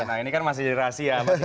nah ini kan masih jadi rahasia